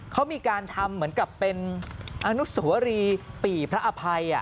เขามีการทำเหมือนกับเป็นอนุสวรีปี่พระอภัย